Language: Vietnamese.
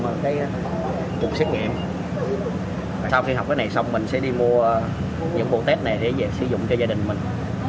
chỉ thấy chụp xét nghiệm sau khi học cái này xong mình sẽ đi mua những bộ test này để dễ sử dụng cho gia đình mình